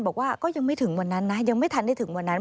บอกว่าก็ยังไม่ถึงวันนั้นนะยังไม่ทันได้ถึงวันนั้น